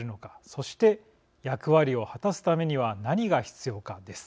そして役割を果たすためには何が必要かです。